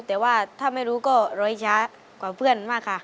แต่ว่าถ้าไม่รู้ก็ร้อยช้ากว่าเพื่อนมากค่ะ